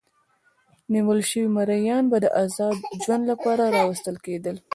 نیول شوي مریان به د ازاد ژوند لپاره راوستل کېدل.